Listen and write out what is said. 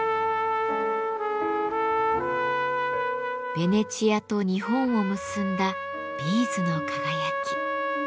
ベネチアと日本を結んだビーズの輝き。